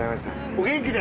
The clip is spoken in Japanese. お元気で。